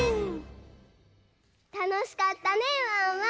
たのしかったねワンワン。